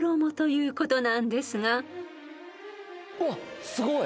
うわっすごい！